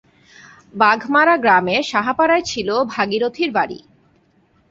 বাগমারা গ্রামের সাহাপাড়ায় ছিল ভাগীরথীর বাড়ি।